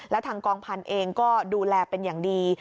แล้วทางกองพันธุ์เองก็ดูแลเป็นอย่างดี